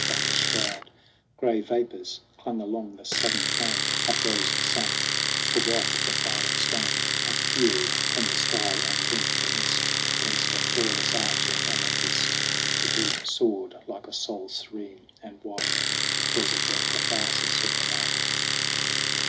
Like a shroud Gray vapors clung along the sodden plain. Up rose the sun to wipe the final stain THE CRAWL 53 Of fury from the sky and drink the mist. Against a flawless arch of amethyst The butte soared, like a soul serene and white Because of the katharsis of the night.